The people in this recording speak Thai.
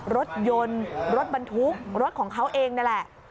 รถยนต์รถบรรทุกรถของเขาเองนั่นแหละ